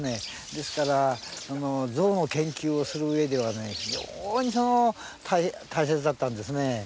ですから象の研究をする上ではね非常に大切だったんですね。